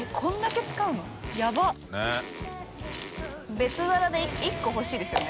別皿で１個欲しいですよね